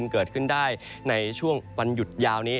เกิดขึ้นได้ในช่วงวันหยุดยาวนี้